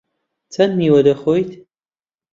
چەند میوە دەخۆیت؟